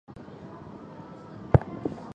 发声的原理是透过木板之间互相撞击而发声。